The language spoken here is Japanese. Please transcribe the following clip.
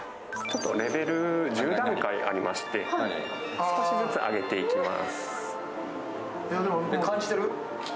レベルが１０段階ありまして、少しずつ上げていきます。